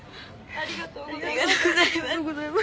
ありがとうございます。